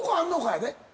やで。